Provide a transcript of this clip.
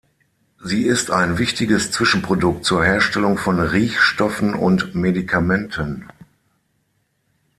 Sie ist ein wichtiges Zwischenprodukt zur Herstellung von Riechstoffen und Medikamenten.